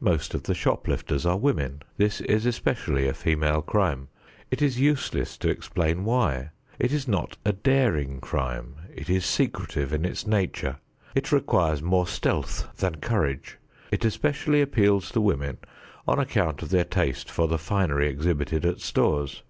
Most of the shop lifters are women. This is especially a female crime. It is useless to explain why. It is not a daring crime; it is secretive in its nature; it requires more stealth than courage; it especially appeals to women on account of their taste for the finery exhibited at stores.